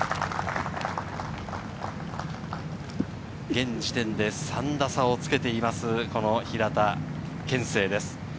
現時点で３打差をつけています、平田憲聖です。